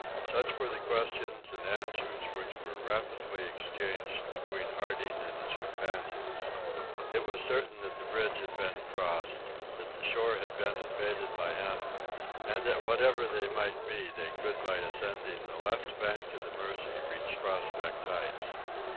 Such were the questions and answers which were rapidly exchanged between Harding and his companions. It was certain that the bridge had been crossed, that the shore had been invaded by animals, and that whatever they might be they could by ascending the left bank of the Mercy reach Prospect Heights.